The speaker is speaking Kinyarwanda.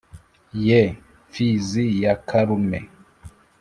ye mfizi ya karume,